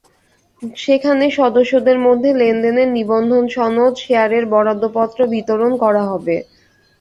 সেখানে সদস্যদের মধ্যে লেনদেনের নিবন্ধন সনদ, শেয়ারের বরাদ্দপত্র বিতরণ করা হবে।